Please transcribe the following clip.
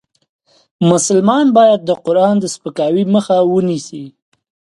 مسلمان باید د قرآن د سپکاوي مخه ونیسي .